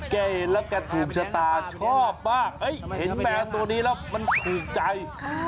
แกเห็นแล้วแกถูกชะตาชอบมากเห็นแมวตัวนี้แล้วมันถูกใจ